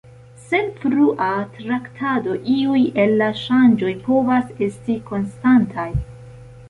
Sen frua traktado iuj el la ŝanĝoj povas esti konstantaj.